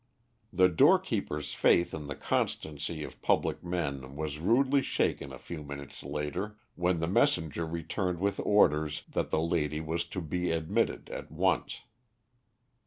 The door keeper's faith in the constancy of public men was rudely shaken a few minutes later, when the messenger returned with orders that the lady was to be admitted at once.